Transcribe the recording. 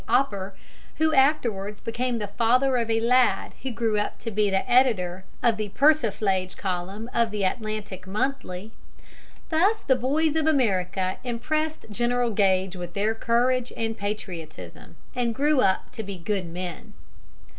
Opper, who afterwards became the father of a lad who grew up to be editor of the Persiflage column of the Atlantic Monthly. Thus the boys of America impressed General Gage with their courage and patriotism and grew up to be good men.